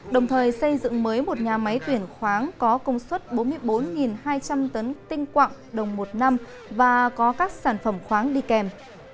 đồng thời xây dựng mới một nhà máy tuyển khoáng có công suất bốn mươi bốn hai trăm linh tấn tinh quạng đồng một năm và có các sản phẩm khoáng đi kèm